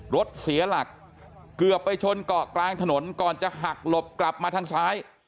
รถเสียหลักเกือบไปชนเกาะกลางถนนก่อนจะหักหลบกลับมาทางซ้าย